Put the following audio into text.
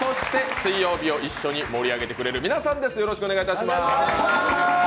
水曜日を一緒に盛り上げてくれる皆さんです。